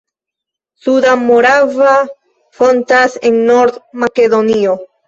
Suda Morava fontas en Nord-Makedonio.